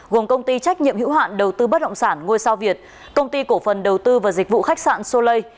gồm công ty trách nhiệm hữu hạn đầu tư bất động sản ngôi sao việt công ty cổ phần đầu tư và dịch vụ khách sạn solei